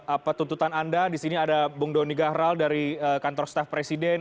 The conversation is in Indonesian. apa tuntutan anda di sini ada bung doni gahral dari kantor staff presiden